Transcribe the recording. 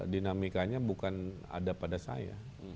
dinamikanya bukan ada pada saya